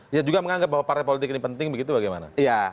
dia juga menganggap bahwa partai politik ini penting begitu bagaimana